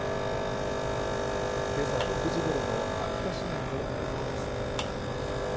けさ６時ごろの秋田市内の映像です。